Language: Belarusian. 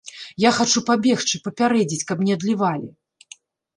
Я хачу пабегчы, папярэдзіць, каб не адлівалі.